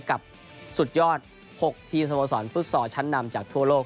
สุดยอด๖ทีมสโมสรฟุตซอลชั้นนำจากทั่วโลก